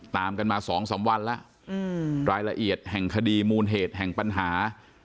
ตามกันมา๒๓วันแล้วรายละเอียดแห่งคดีมูลเหตุแห่งปัญหา